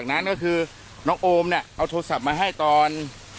นั้นก็คือน้องโอมเนี่ยเอาโทรศัพท์มาให้ตอน